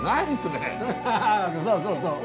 そうそうそう。